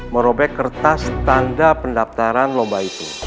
merobek kertas tanda pendaftaran lomba itu